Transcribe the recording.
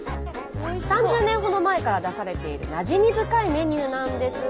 ３０年ほど前から出されているなじみ深いメニューなんですが。